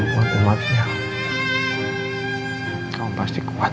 papa pasti kuat